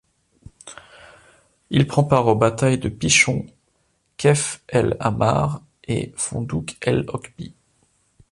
Il prend part aux batailles de Pichon, Kef El Amar et Fondouk-El-Okbi.